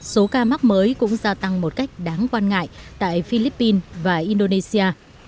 số ca mắc mới cũng gia tăng một cách đáng quan ngại tại philippines và indonesia